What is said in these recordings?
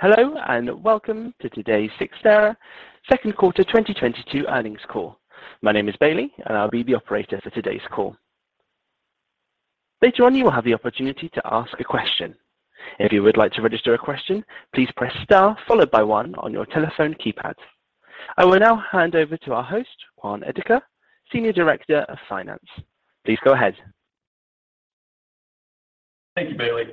Hello, and welcome to today's Cyxtera second quarter 2022 earnings call. My name is Bailey, and I'll be the operator for today's call. Later on, you will have the opportunity to ask a question. If you would like to register a question, please press star followed by one on your telephone keypad. I will now hand over to our host, Kwang Edeker, Senior Director of Finance. Please go ahead. Thank you, Bailey.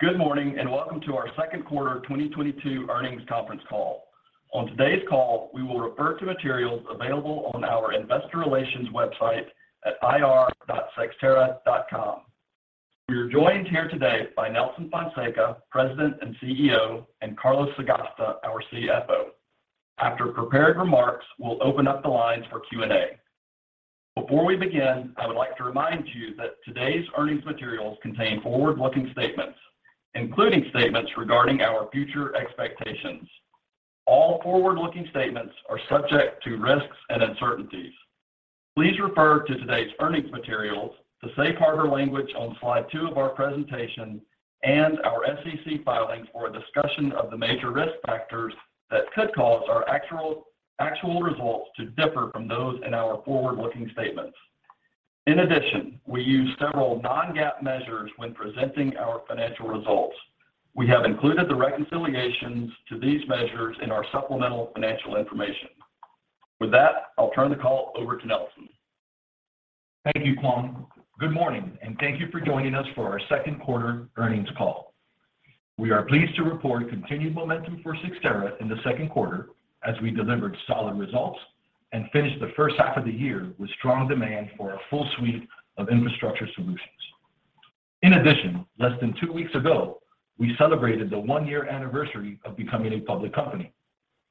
Good morning, and welcome to our second quarter 2022 earnings conference call. On today's call, we will refer to materials available on our investor relations website at ir.cyxtera.com. We are joined here today by Nelson Fonseca, President and CEO, and Carlos Sagasta, our CFO. After prepared remarks, we'll open up the lines for Q&A. Before we begin, I would like to remind you that today's earnings materials contain forward-looking statements, including statements regarding our future expectations. All forward-looking statements are subject to risks and uncertainties. Please refer to today's earnings materials, the safe harbor language on slide two of our presentation, and our SEC filings for a discussion of the major risk factors that could cause our actual results to differ from those in our forward-looking statements. In addition, we use several non-GAAP measures when presenting our financial results. We have included the reconciliations to these measures in our supplemental financial information. With that, I'll turn the call over to Nelson. Thank you, Kwang. Good morning, and thank you for joining us for our second quarter earnings call. We are pleased to report continued momentum for Cyxtera in the second quarter as we delivered solid results and finished the first half of the year with strong demand for our full suite of infrastructure solutions. In addition, less than 2 weeks ago, we celebrated the 1-year anniversary of becoming a public company.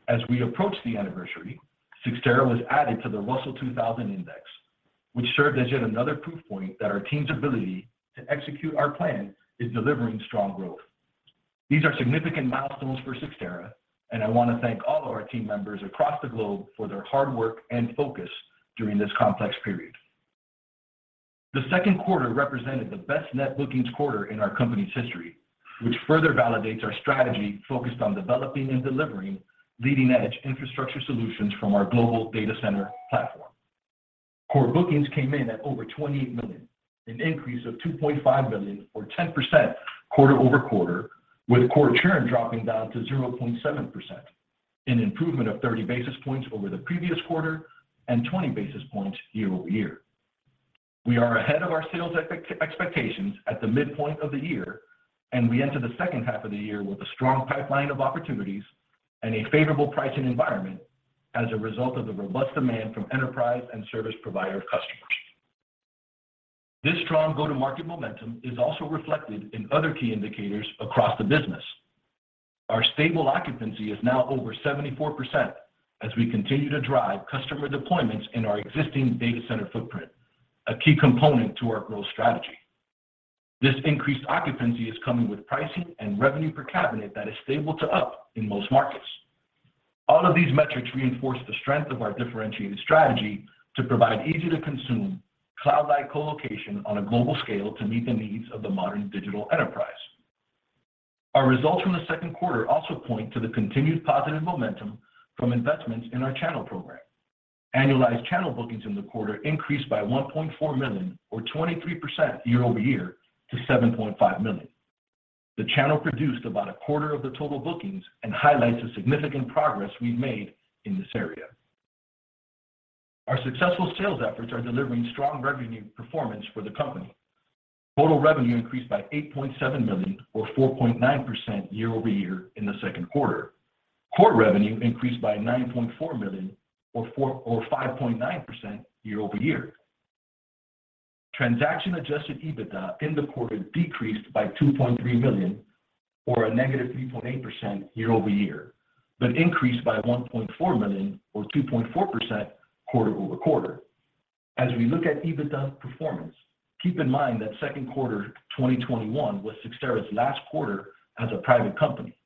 As we approach the anniversary, Cyxtera was added to the Russell 2000 index, which served as yet another proof point that our team's ability to execute our plan is delivering strong growth. These are significant milestones for Cyxtera, and I want to thank all of our team members across the globe for their hard work and focus during this complex period. The second quarter represented the best net bookings quarter in our company's history, which further validates our strategy focused on developing and delivering leading-edge infrastructure solutions from our global data center platform. Core bookings came in at over $28 million, an increase of $2.5 million or 10% quarter-over-quarter, with core churn dropping down to 0.7%, an improvement of 30 basis points over the previous quarter and 20 basis points year-over-year. We are ahead of our sales expectations at the midpoint of the year, and we enter the second half of the year with a strong pipeline of opportunities and a favorable pricing environment as a result of the robust demand from enterprise and service provider customers. This strong go-to-market momentum is also reflected in other key indicators across the business. Our stable occupancy is now over 74% as we continue to drive customer deployments in our existing data center footprint, a key component to our growth strategy. This increased occupancy is coming with pricing and revenue per cabinet that is stable to up in most markets. All of these metrics reinforce the strength of our differentiated strategy to provide easy-to-consume cloud-like colocation on a global scale to meet the needs of the modern digital enterprise. Our results from the second quarter also point to the continued positive momentum from investments in our channel program. Annualized channel bookings in the quarter increased by $1.4 million or 23% year-over-year to $7.5 million. The channel produced about a quarter of the total bookings and highlights the significant progress we've made in this area. Our successful sales efforts are delivering strong revenue performance for the company. Total revenue increased by $8.7 million or 4.9% year-over-year in the second quarter. Core revenue increased by $9.4 million or 5.9% year-over-year. Transaction adjusted EBITDA in the quarter decreased by $2.3 million or a -3.8% year-over-year, but increased by $1.4 million or 2.4% quarter-over-quarter. As we look at EBITDA performance, keep in mind that second quarter 2021 was Cyxtera's last quarter as a private company,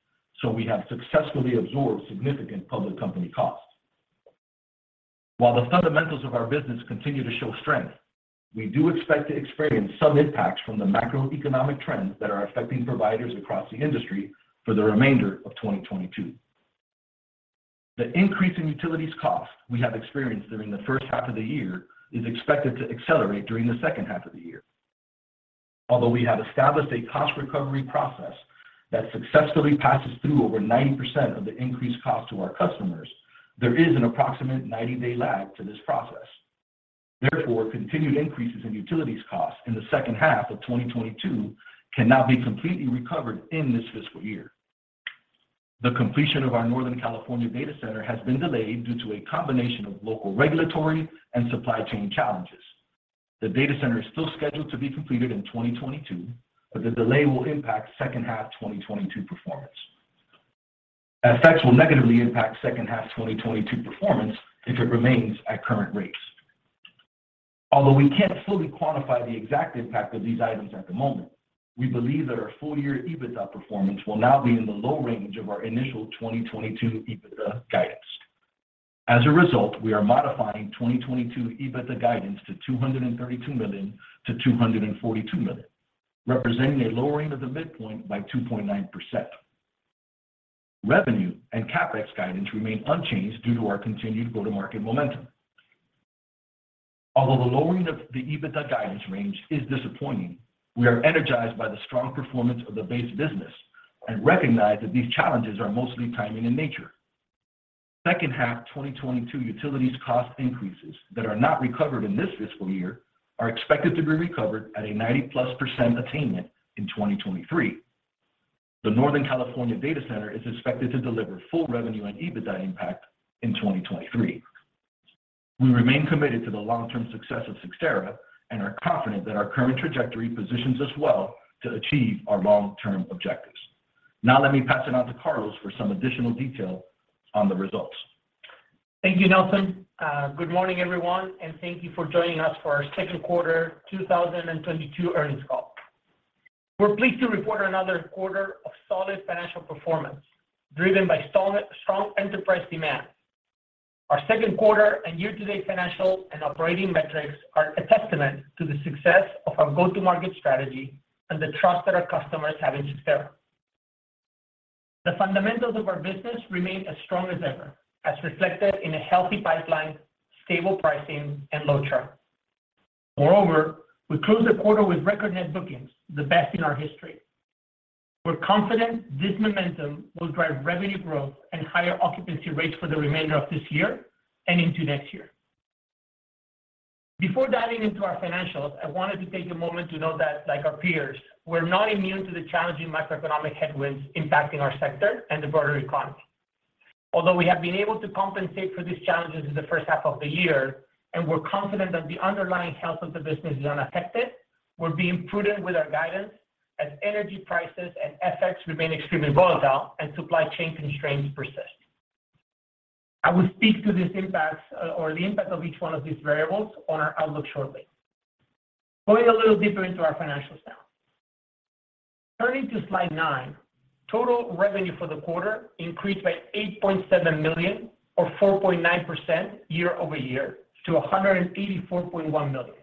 so we have successfully absorbed significant public company costs. While the fundamentals of our business continue to show strength, we do expect to experience some impacts from the macroeconomic trends that are affecting providers across the industry for the remainder of 2022. The increase in utilities cost we have experienced during the first half of the year is expected to accelerate during the second half of the year. Although we have established a cost recovery process that successfully passes through over 90% of the increased cost to our customers, there is an approximate 90-day lag to this process. Therefore, continued increases in utilities costs in the second half of 2022 cannot be completely recovered in this fiscal year. The completion of our Northern California data center has been delayed due to a combination of local regulatory and supply chain challenges. The data center is still scheduled to be completed in 2022, but the delay will impact second half 2022 performance. Effects will negatively impact second half 2022 performance if it remains at current rates. Although we can't fully quantify the exact impact of these items at the moment, we believe that our full-year EBITDA performance will now be in the low range of our initial 2022 EBITDA guidance. As a result, we are modifying 2022 EBITDA guidance to $232 million-$242 million, representing a lowering of the midpoint by 2.9%. Revenue and CapEx guidance remain unchanged due to our continued go-to-market momentum. Although the lowering of the EBITDA guidance range is disappointing, we are energized by the strong performance of the base business and recognize that these challenges are mostly timing in nature. Second half 2022 utilities cost increases that are not recovered in this fiscal year are expected to be recovered at a +90% attainment in 2023. The Northern California data center is expected to deliver full revenue and EBITDA impact in 2023. We remain committed to the long-term success of Cyxtera and are confident that our current trajectory positions us well to achieve our long-term objectives. Now let me pass it on to Carlos for some additional detail on the results. Thank you, Nelson. Good morning, everyone, and thank you for joining us for our second quarter 2022 earnings call. We're pleased to report another quarter of solid financial performance driven by strong enterprise demand. Our second quarter and year-to-date financial and operating metrics are a testament to the success of our go-to-market strategy and the trust that our customers have in Cyxtera. The fundamentals of our business remain as strong as ever, as reflected in a healthy pipeline, stable pricing, and low churn. Moreover, we closed the quarter with record net bookings, the best in our history. We're confident this momentum will drive revenue growth and higher occupancy rates for the remainder of this year and into next year. Before diving into our financials, I wanted to take a moment to note that, like our peers, we're not immune to the challenging macroeconomic headwinds impacting our sector and the broader economy. Although we have been able to compensate for these challenges in the first half of the year, and we're confident that the underlying health of the business is unaffected, we're being prudent with our guidance as energy prices and FX remain extremely volatile and supply chain constraints persist. I will speak to these impacts or the impact of each one of these variables on our outlook shortly. Going a little deeper into our financials now. Turning to slide nine, total revenue for the quarter increased by $8.7 million or 4.9% year-over-year to $184.1 million,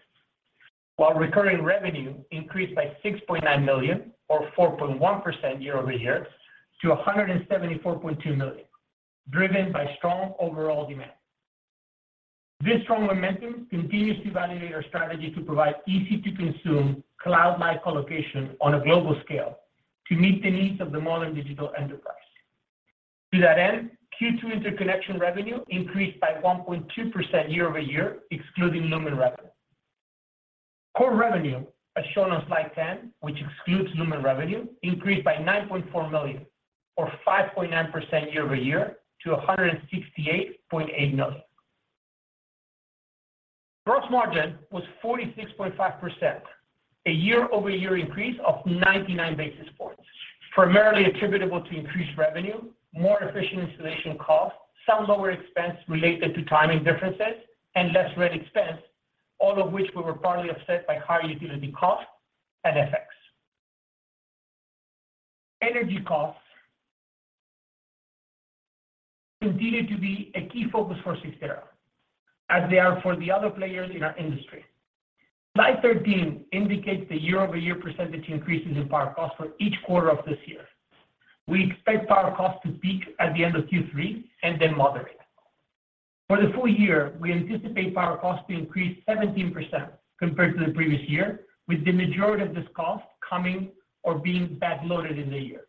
while recurring revenue increased by $6.9 million or 4.1% year-over-year to $174.2 million, driven by strong overall demand. This strong momentum continues to validate our strategy to provide easy-to-consume cloud-like colocation on a global scale to meet the needs of the modern digital enterprise. To that end, Q2 interconnection revenue increased by 1.2% year-over-year, excluding Lumen revenue. Core revenue, as shown on slide 10, which excludes Lumen revenue, increased by $9.4 million or 5.9% year-over-year to $168.8 million. Gross margin was 46.5%, a year-over-year increase of 99 basis points, primarily attributable to increased revenue, more efficient installation costs, some lower expense related to timing differences and less rent expense, all of which were partly offset by higher utility costs and FX. Energy costs continue to be a key focus for Cyxtera, as they are for the other players in our industry. Slide 13 indicates the year-over-year percentage increases in power costs for each quarter of this year. We expect power costs to peak at the end of Q3 and then moderate. For the full year, we anticipate power costs to increase 17% compared to the previous year, with the majority of this cost coming or being backloaded in the year.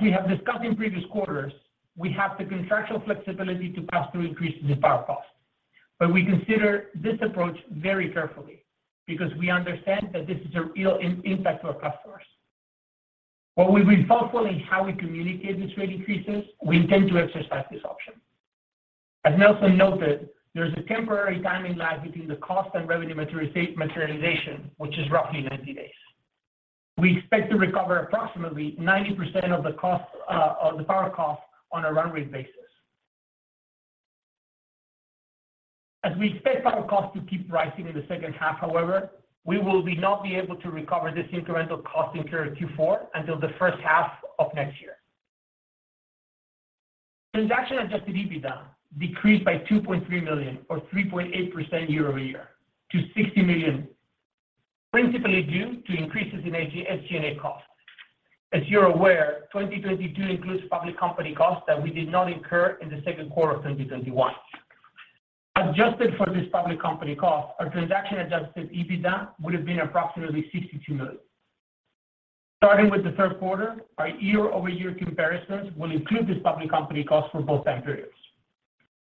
We have discussed in previous quarters, we have the contractual flexibility to pass through increases in power costs. We consider this approach very carefully because we understand that this is a real impact to our customers. While we've been thoughtful in how we communicate these rate increases, we intend to exercise this option. As Nelson noted, there's a temporary timing lag between the cost and revenue materialization, which is roughly 90 days. We expect to recover approximately 90% of the cost, or the power cost on a run rate basis. As we expect power costs to keep rising in the second half, however, we will not be able to recover this incremental cost incurred in Q4 until the first half of next year. Transaction-adjusted EBITDA decreased by $2.3 million or 3.8% year-over-year to $60 million, principally due to increases in SG&A costs. As you're aware, 2022 includes public company costs that we did not incur in the second quarter of 2021. Adjusted for this public company cost, our transaction-adjusted EBITDA would have been approximately $62 million. Starting with the third quarter, our year-over-year comparisons will include this public company cost for both time periods.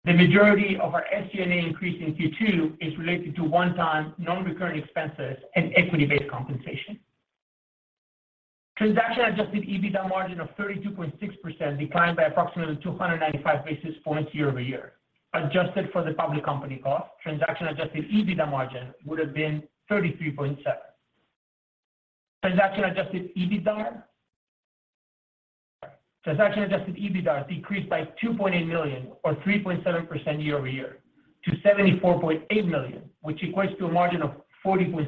The majority of our SG&A increase in Q2 is related to one-time non-recurring expenses and equity-based compensation. Transaction-adjusted EBITDA margin of 32.6% declined by approximately 295 basis points year-over-year. Adjusted for the public company cost, transaction-adjusted EBITDA margin would have been 33.7%. Transaction-adjusted EBITDAR. Transaction-adjusted EBITDAR decreased by $2.8 million or 3.7% year-over-year to $74.8 million, which equates to a margin of 40.6%.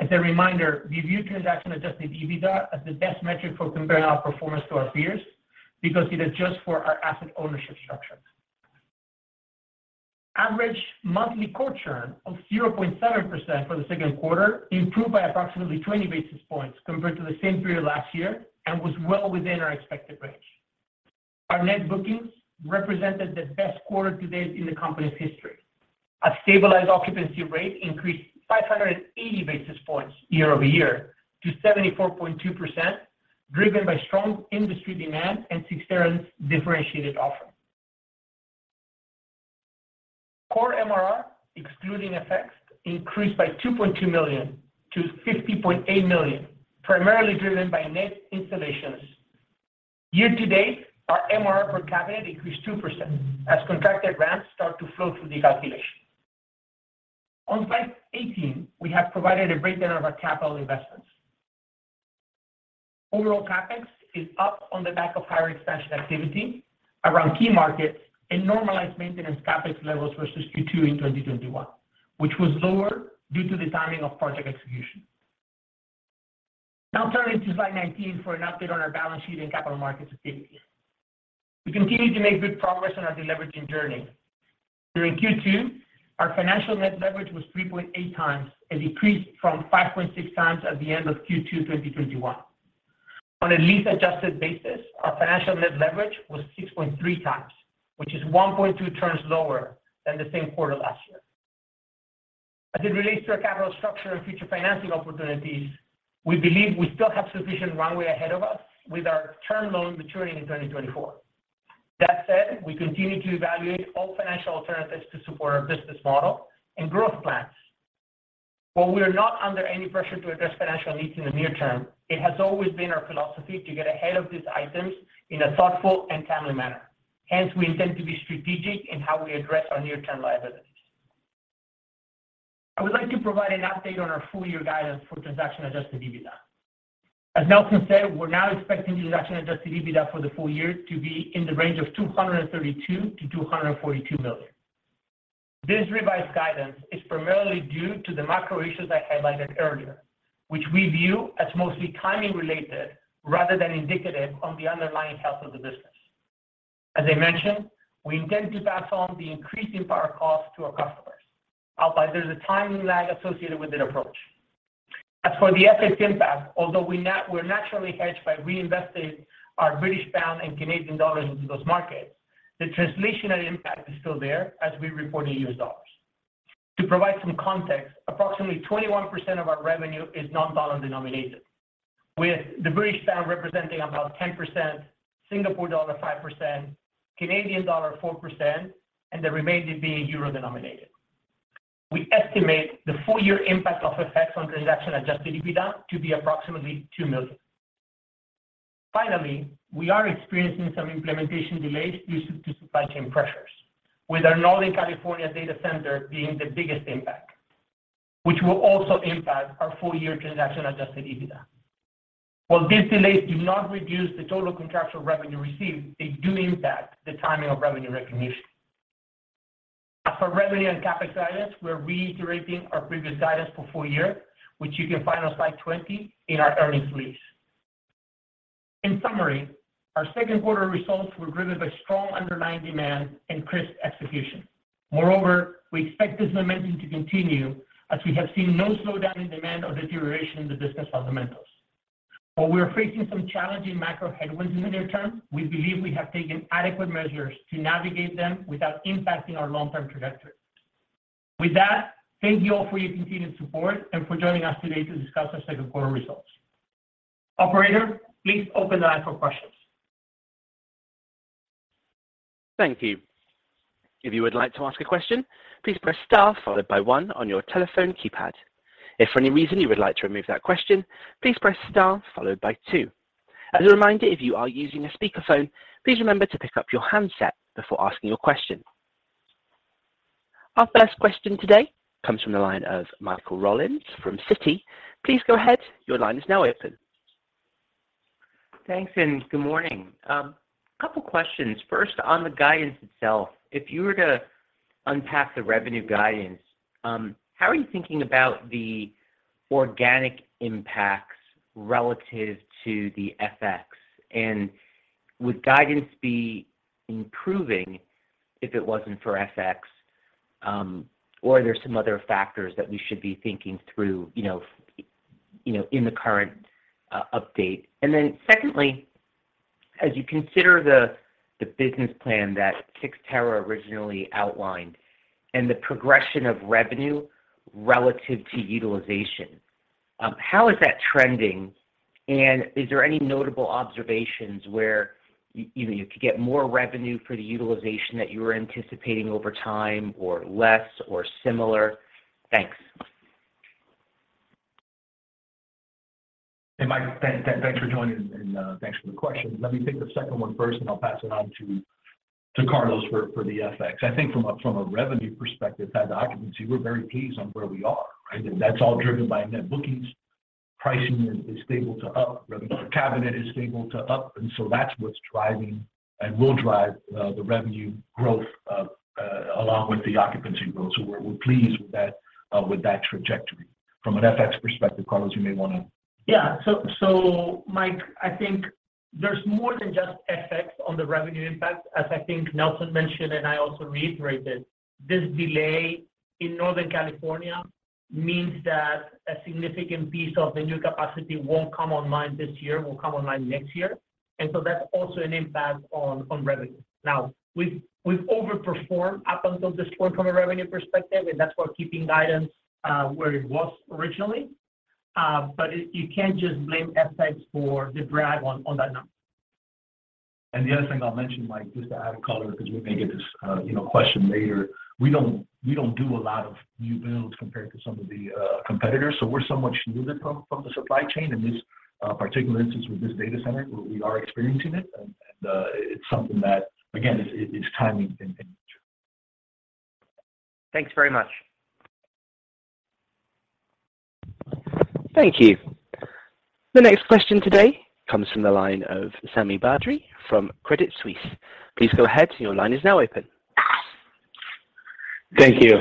As a reminder, we view transaction-adjusted EBITDAR as the best metric for comparing our performance to our peers because it adjusts for our asset ownership structure. Average monthly core churn of 0.7% for the second quarter improved by approximately 20 basis points compared to the same period last year and was well within our expected range. Our net bookings represented the best quarter to date in the company's history. Our stabilized occupancy rate increased 580 basis points year-over-year to 74.2%, driven by strong industry demand and Cyxtera's differentiated offering. Core MRR, excluding FX, increased by $2.2 million to $50.8 million, primarily driven by net installations. Year-to-date, our MRR per cabinet increased 2% as contracted ramps start to flow through the calculation. On slide 18, we have provided a breakdown of our capital investments. Overall CapEx is up on the back of higher expansion activity around key markets and normalized maintenance CapEx levels versus Q2 in 2021, which was lower due to the timing of project execution. Now turning to slide 19 for an update on our balance sheet and capital market activity. We continue to make good progress on our deleveraging journey. During Q2, our financial net leverage was 3.8x, a decrease from 5.6x at the end of Q2 2021. On a lease-adjusted basis, our financial net leverage was 6.3x, which is 1.2 turns lower than the same quarter last year. As it relates to our capital structure and future financing opportunities, we believe we still have sufficient runway ahead of us with our term loan maturing in 2024. That said, we continue to evaluate all financial alternatives to support our business model and growth plans. While we are not under any pressure to address financial needs in the near term, it has always been our philosophy to get ahead of these items in a thoughtful and timely manner. Hence, we intend to be strategic in how we address our near-term liabilities. I would like to provide an update on our full-year guidance for transaction-adjusted EBITDA. As Nelson said, we're now expecting transaction-adjusted EBITDA for the full year to be in the range of $232 million-$242 million. This revised guidance is primarily due to the macro issues I highlighted earlier, which we view as mostly timing related rather than indicative of the underlying health of the business. As I mentioned, we intend to pass on the increasing power costs to our customers. However, there's a timing lag associated with that approach. As for the FX impact, although we're naturally hedged by reinvesting our British pound and Canadian dollars into those markets, the translational impact is still there as we report in U.S. dollars. To provide some context, approximately 21% of our revenue is non-dollar denominated, with the British pound representing about 10%, Singapore dollar 5%, Canadian dollar 4%, and the remaining being euro-denominated. We estimate the full-year impact of FX on transaction-adjusted EBITDA to be approximately $2 million. Finally, we are experiencing some implementation delays due to supply chain pressures, with our Northern California data center being the biggest impact, which will also impact our full-year transaction-adjusted EBITDA. While these delays do not reduce the total contractual revenue received, they do impact the timing of revenue recognition. As for revenue and CapEx guidance, we're reiterating our previous guidance for full-year, which you can find on slide 20 in our earnings release. In summary, our second quarter results were driven by strong underlying demand and crisp execution. Moreover, we expect this momentum to continue as we have seen no slowdown in demand or deterioration in the business fundamentals. While we are facing some challenging macro headwinds in the near term, we believe we have taken adequate measures to navigate them without impacting our long-term trajectory. With that, thank you all for your continued support and for joining us today to discuss our second quarter results. Operator, please open the line for questions. Thank you. If you would like to ask a question, please press star followed by one on your telephone keypad. If for any reason you would like to remove that question, please press star followed by two. As a reminder, if you are using a speakerphone, please remember to pick up your handset before asking your question. Our first question today comes from the line of Michael Rollins from Citi. Please go ahead. Your line is now open. Thanks. Good morning. Couple questions. First, on the guidance itself, if you were to unpack the revenue guidance, how are you thinking about the organic impacts relative to the FX? And would guidance be improving if it wasn't for FX, or are there some other factors that we should be thinking through, you know, in the current update? And then secondly, as you consider the business plan that Cyxtera originally outlined and the progression of revenue relative to utilization, how is that trending? And is there any notable observations where you know, you could get more revenue for the utilization that you were anticipating over time or less or similar? Thanks. Hey, Mike. Thanks for joining and thanks for the question. Let me take the second one first, and I'll pass it on to Carlos for the FX. I think from a revenue perspective, as occupancy, we're very pleased on where we are, right? That's all driven by net bookings. Pricing is stable to up. Revenue per cabinet is stable to up. That's what's driving and will drive the revenue growth. Along with the occupancy growth. We're pleased with that, with that trajectory. From an FX perspective, Carlos, you may wanna- Yeah. Mike, I think there's more than just FX on the revenue impact. As I think Nelson mentioned, and I also reiterated, this delay in Northern California means that a significant piece of the new capacity won't come online this year, will come online next year. That's also an impact on revenue. Now, we've overperformed up until this point from a revenue perspective, and that's why keeping guidance where it was originally. You can't just blame FX for the drag on that number. The other thing I'll mention, Mike, just to add to Carlos, because we may get this, you know, question later. We don't do a lot of new builds compared to some of the competitors, so we're somewhat shielded from the supply chain. In this particular instance with this data center, we are experiencing it and it's something that again, is timing in nature. Thanks very much. Thank you. The next question today comes from the line of Sami Badri from Credit Suisse. Please go ahead, your line is now open. Thank you.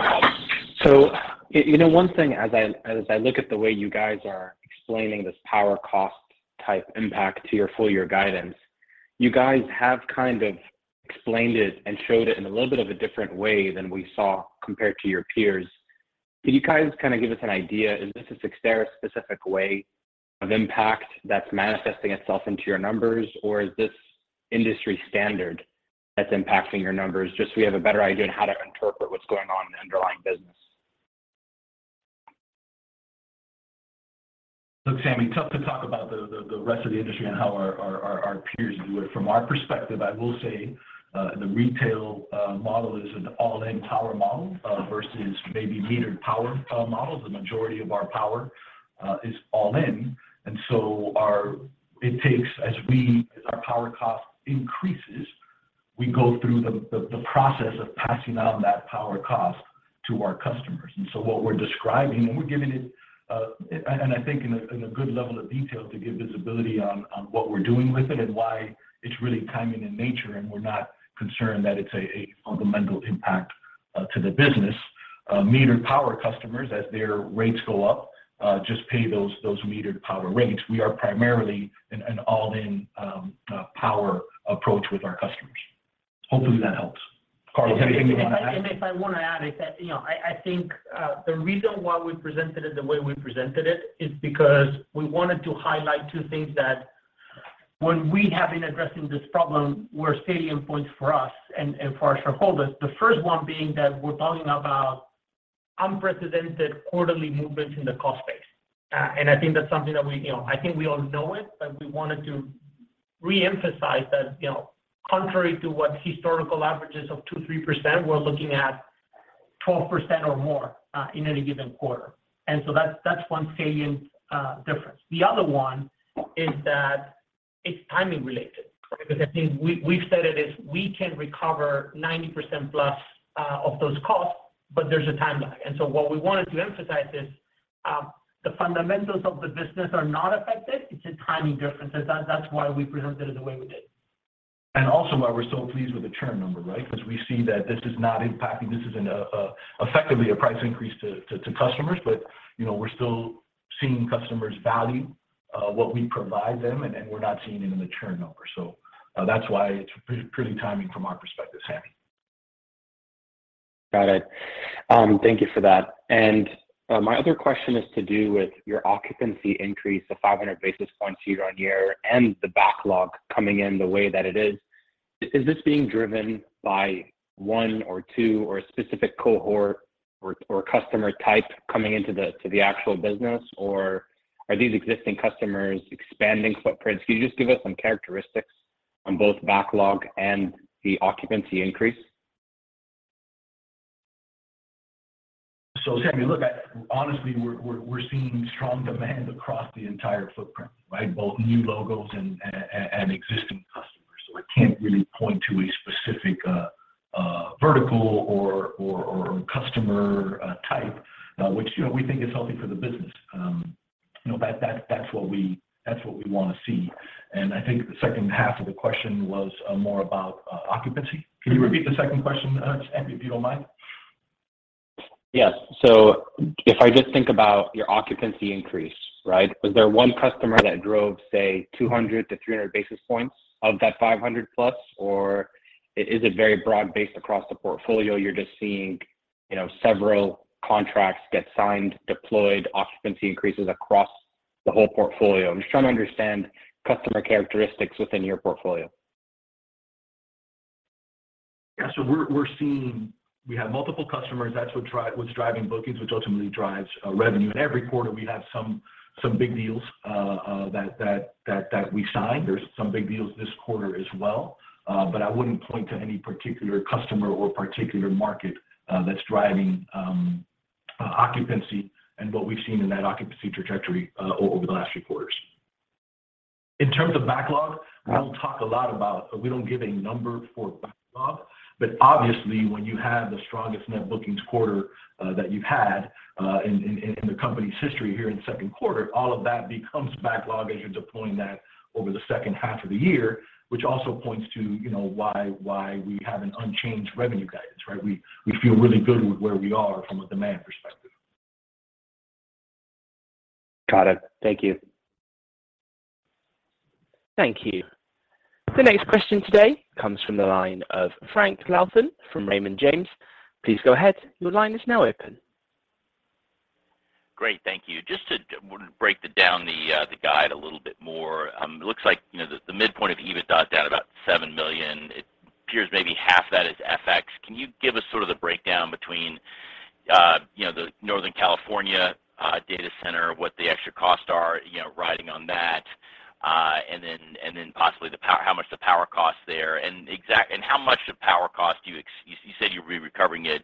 You know, one thing as I look at the way you guys are explaining this power cost type impact to your full year guidance. You guys have kind of explained it and showed it in a little bit of a different way than we saw compared to your peers. Can you guys kinda give us an idea, is this a Cyxtera specific way of impact that's manifesting itself into your numbers, or is this industry standard that's impacting your numbers? Just so we have a better idea on how to interpret what's going on in the underlying business. Look, Sami, tough to talk about the rest of the industry and how our peers do it. From our perspective, I will say, the retail model is an all-in power model versus maybe metered power model. The majority of our power is all in, and so it takes as our power cost increases, we go through the process of passing on that power cost to our customers. What we're describing, and we're giving it, and I think in a good level of detail to give visibility on what we're doing with it and why it's really timing in nature, and we're not concerned that it's a fundamental impact to the business. Metered power customers, as their rates go up, just pay those metered power rates. We are primarily an all-in power approach with our customers. Hopefully that helps. Carlos, anything you wanna add? If I wanna add is that, you know, I think the reason why we presented it the way we presented it is because we wanted to highlight two things that when we have been addressing this problem were salient points for us and for our shareholders. The first one being that we're talking about unprecedented quarterly movements in the cost base. I think that's something that we, you know, I think we all know it, but we wanted to re-emphasize that, you know, contrary to what historical averages of 2%-3%, we're looking at 12% or more in any given quarter. That's one salient difference. The other one is that it's timing related. Because I think we've said it is we can recover +90% of those costs, but there's a time lag. What we wanted to emphasize is, the fundamentals of the business are not affected, it's a timing difference. That's why we presented it the way we did. Also why we're so pleased with the churn number, right? Because we see that this is not impacting, this isn't effectively a price increase to customers. You know, we're still seeing customers value what we provide them, and we're not seeing it in the churn number. That's why it's pretty timely from our perspective, Sami. Got it. Thank you for that. My other question is to do with your occupancy increase of 500 basis points year-over-year and the backlog coming in the way that it is. Is this being driven by one or two or a specific cohort or customer type coming into the actual business? Or are these existing customers expanding footprints? Can you just give us some characteristics on both backlog and the occupancy increase? Sami, look, honestly, we're seeing strong demand across the entire footprint, right? Both new logos and existing customers. I can't really point to a specific vertical or customer type, which, you know, we think is healthy for the business. You know, that's what we wanna see. I think the second half of the question was more about occupancy. Can you repeat the second question to us, Sami, if you don't mind? Yes. If I just think about your occupancy increase, right? Was there one customer that drove, say, 200-300 basis points of that 500+? Or is it very broad based across the portfolio, you're just seeing, you know, several contracts get signed, deployed, occupancy increases across the whole portfolio? I'm just trying to understand customer characteristics within your portfolio. Yeah. We're seeing we have multiple customers. That's what's driving bookings, which ultimately drives revenue. Every quarter we have some big deals that we sign. There's some big deals this quarter as well. I wouldn't point to any particular customer or particular market that's driving occupancy and what we've seen in that occupancy trajectory over the last few quarters. In terms of backlog, we don't talk a lot about it. We don't give a number for backlog, but obviously when you have the strongest net bookings quarter that you've had in the company's history here in second quarter, all of that becomes backlog as you're deploying that over the second half of the year, which also points to why we have an unchanged revenue guidance, right? We feel really good with where we are from a demand perspective. Got it. Thank you. Thank you. The next question today comes from the line of Frank Louthan from Raymond James. Please go ahead. Your line is now open. Great. Thank you. Just to break down the guidance a little bit more, it looks like, you know, the midpoint of EBITDA is down about $7 million. It appears maybe half that is FX. Can you give us sort of the breakdown between, you know, the Northern California data center, what the extra costs are, you know, riding on that, and then possibly how much the power costs there? How much the power costs do you expect, you said you'll be recovering it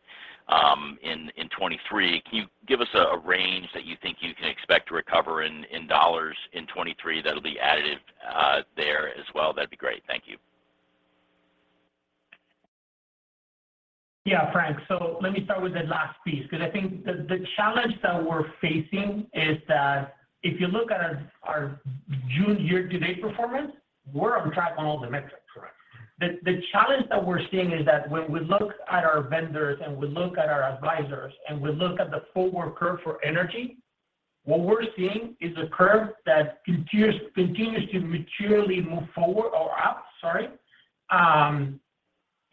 in 2023. Can you give us a range that you think you can expect to recover in dollars in 2023 that'll be additive there as well? That'd be great. Thank you. Yeah, Frank. Let me start with the last piece, 'cause I think the challenge that we're facing is that if you look at our June year-to-date performance, we're on track on all the metrics. Correct. The challenge that we're seeing is that when we look at our vendors and we look at our advisors and we look at the forward curve for energy, what we're seeing is a curve that continues to materially move forward or up, sorry.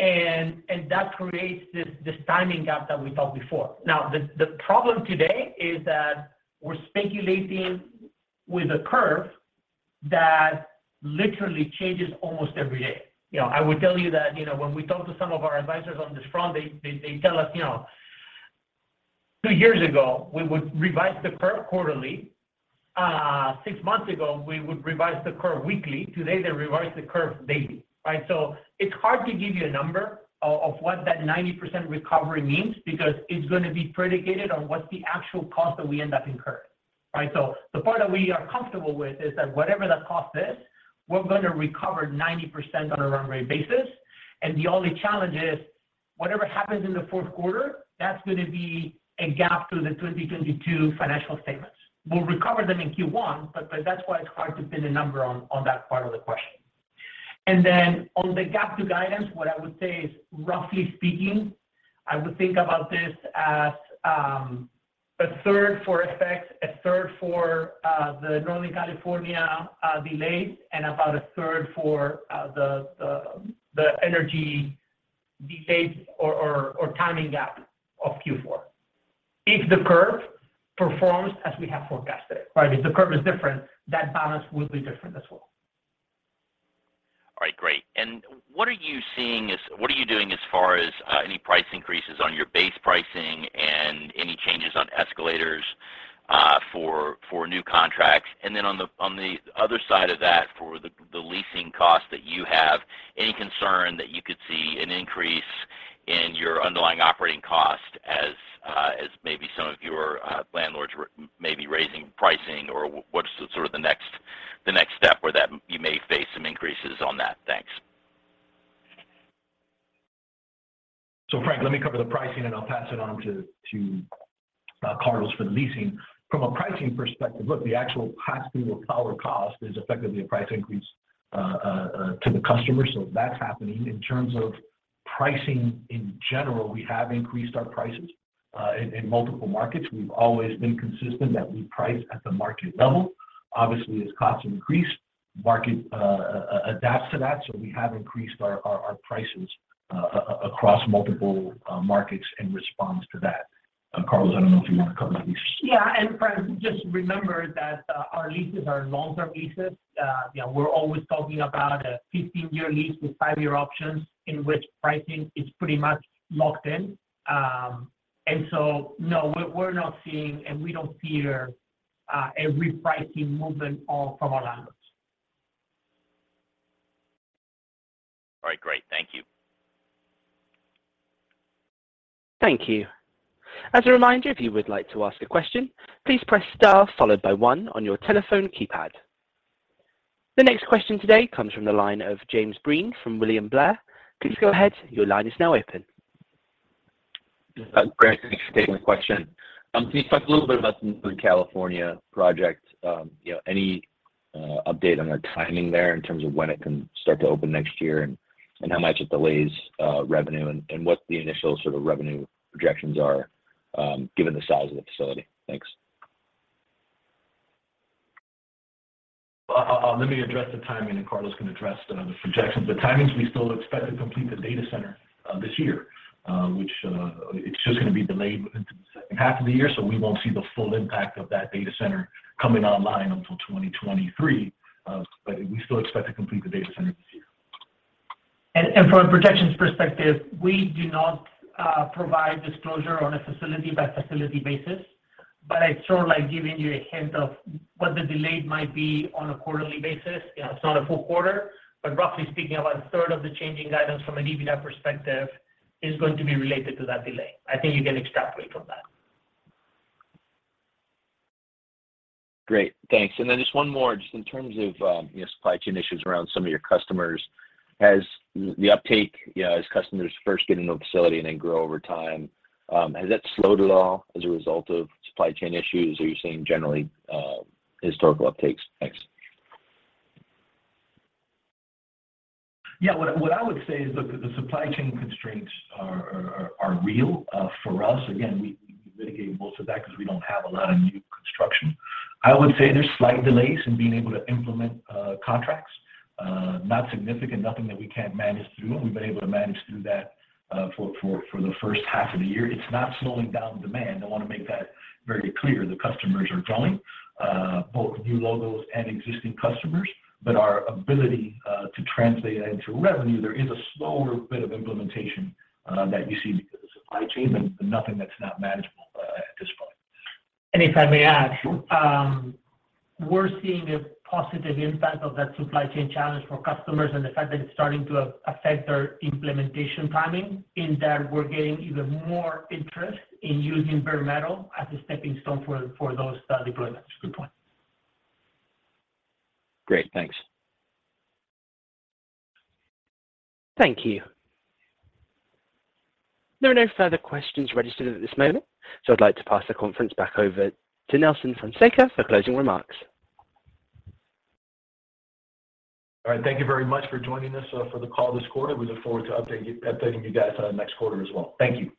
That creates this timing gap that we talked before. Now, the problem today is that we're speculating with a curve that literally changes almost every day. You know, I would tell you that, you know, when we talk to some of our advisors on this front, they tell us, you know, 2 years ago we would revise the curve quarterly. 6 months ago, we would revise the curve weekly. Today, they revise the curve daily, right? It's hard to give you a number of what that 90% recovery means because it's gonna be predicated on what the actual cost that we end up incurring, right? The part that we are comfortable with is that whatever that cost is, we're gonna recover 90% on a run rate basis. The only challenge is whatever happens in the fourth quarter, that's gonna be a gap to the 2022 financial statements. We'll recover them in Q1, but that's why it's hard to pin a number on that part of the question. On the gap to guidance, what I would say is, roughly speaking, I would think about this as, 1/3 for FX, 1/3 for, the Northern California delays, and about 1/3 for, the energy delays or timing gap of Q4, if the curve performs as we have forecasted, right? If the curve is different, that balance would be different as well. All right. Great. What are you doing as far as any price increases on your base pricing and any changes on escalators for new contracts? Then on the other side of that, for the leasing costs that you have, any concern that you could see an increase in your underlying operating cost as maybe some of your landlords may be raising pricing or what's the sort of the next step where that you may face some increases on that? Thanks. Frank, let me cover the pricing, and I'll pass it on to Carlos for the leasing. From a pricing perspective, look, the actual pass-through of power cost is effectively a price increase to the customer, so that's happening. In terms of pricing in general, we have increased our prices in multiple markets. We've always been consistent that we price at the market level. Obviously, as costs increase, markets adapt to that, so we have increased our prices across multiple markets in response to that. Carlos, I don't know if you want to cover the leases. Yeah. Frank, just remember that, our leases are long-term leases. You know, we're always talking about a 15-year lease with 5-year options in which pricing is pretty much locked in. No, we're not seeing and we don't fear a repricing movement or from our landlords. All right. Great. Thank you. Thank you. As a reminder, if you would like to ask a question, please press star followed by one on your telephone keypad. The next question today comes from the line of James Breen from William Blair. Please go ahead. Your line is now open. Great. Thank you for taking the question. Can you talk a little bit about the Northern California project? You know, any update on the timing there in terms of when it can start to open next year and how much it delays revenue and what the initial sort of revenue projections are, given the size of the facility? Thanks. Let me address the timing, and Carlos can address the projections. The timing, we still expect to complete the data center this year, which it's just gonna be delayed into the second half of the year, so we won't see the full impact of that data center coming online until 2023. We still expect to complete the data center this year. From a projections perspective, we do not provide disclosure on a facility by facility basis. I sort of like giving you a hint of what the delay might be on a quarterly basis. You know, it's not a full quarter. Roughly speaking, about 1/3 of the changing guidance from an EBITDA perspective is going to be related to that delay. I think you can extrapolate from that. Great. Thanks. Just one more just in terms of, you know, supply chain issues around some of your customers. Has the uptake, you know, as customers first get into a facility and then grow over time, has that slowed at all as a result of supply chain issues, or are you seeing generally, historical uptakes? Thanks. Yeah. What I would say is, look, the supply chain constraints are real for us. Again, we mitigate most of that because we don't have a lot of new construction. I would say there's slight delays in being able to implement contracts. Not significant, nothing that we can't manage through. We've been able to manage through that for the first half of the year. It's not slowing down demand. I wanna make that very clear. The customers are growing both new logos and existing customers. But our ability to translate that into revenue, there is a slower bit of implementation that you see because of supply chain, but nothing that's not manageable at this point. If I may add, we're seeing a positive impact of that supply chain challenge for customers and the fact that it's starting to affect our implementation timing in that we're getting even more interest in using bare metal as a stepping stone for those deployments. Good point. Great. Thanks. Thank you. There are no further questions registered at this moment, so I'd like to pass the conference back over to Nelson Fonseca for closing remarks. All right. Thank you very much for joining us for the call this quarter. We look forward to updating you guys next quarter as well. Thank you.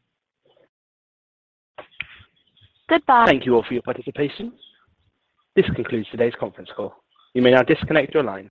Goodbye. Thank you all for your participation. This concludes today's conference call. You may now disconnect your line.